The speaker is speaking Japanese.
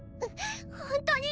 ホントに？